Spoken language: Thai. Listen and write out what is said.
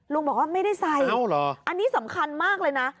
ลุงบอกว่าไม่ได้ใส่อันนี้สำคัญมากเลยนะ